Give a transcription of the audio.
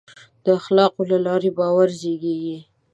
د اخلاقو له لارې باور زېږي.